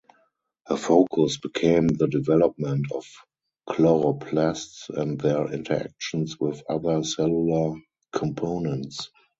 Her focus became the development of chloroplasts and their interactions with other cellular components.